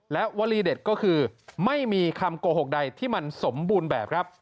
และวลีเด็ดก็คือไม่มีคำโกหกใดที่มันสมบูรณ์แบบครับ